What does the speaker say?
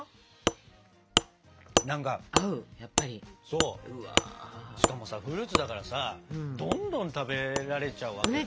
そうしかもさフルーツだからさどんどん食べられちゃうわけよ。